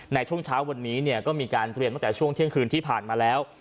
ในช่วงเช้าวันนี้เนี่ยก็มีการเตรียมตั้งแต่ช่วงเที่ยงคืนที่ผ่านมาแล้ว